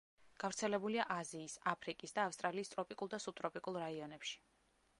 გავრცელებულია აზიის, აფრიკის და ავსტრალიის ტროპიკულ და სუბტროპიკულ რაიონებში.